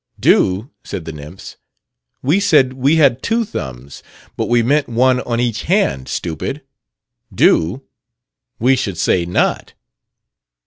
"'Do?' said the nymphs. 'We said we had two thumbs, but we meant one on each hand, stupid. Do? We should say not!'